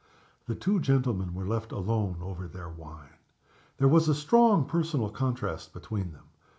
The two gentlemen were left alone over their wine. There was a strong personal contrast between them.